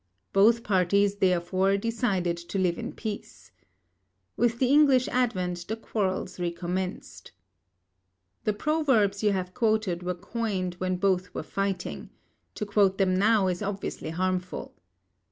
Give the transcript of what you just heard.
Both parties, therefore, decided to live in peace. With the English advent the quarrels re commenced. The proverbs you have quoted were coined when both were fighting; to quote them now is obviously harmful.